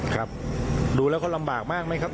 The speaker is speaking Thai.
ครับดูแล้วก็ลำบากมากไหมครับ